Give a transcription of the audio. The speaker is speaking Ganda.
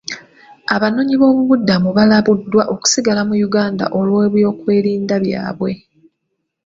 Abanoonyiboobubudamu balabuddwa okusigala mu Uganda olw'ebyokwerinda byabwe.